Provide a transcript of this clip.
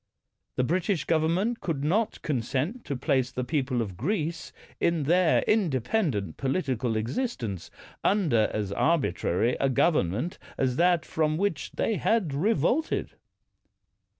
The British govern ment could not consent to place the people of Greece, in their independent political existence, under as arbitrary a government as that from which they had revolted.